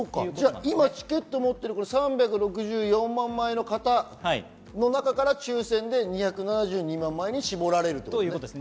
今、チケットを持っている３６４万枚の方の中から抽選で２７２万枚に絞られるということだね。